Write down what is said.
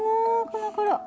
このころ。